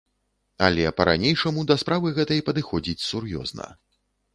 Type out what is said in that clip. Але па-ранейшаму да справы гэтай падыходзіць сур'ёзна.